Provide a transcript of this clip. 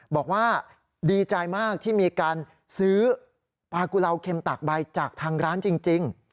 บอกว่าดีใจมากที่มีการซื้อปลากุลาวเค็มตากใบจากทางร้านจริง